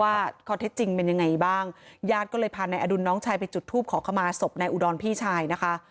ว่าข้อเท็จจริงเป็นยังไงบ้างญาติก็เลยพานายอดุลน้องชายไปจุดทูปขอขมาศพนายอุดรพี่ชายนะคะ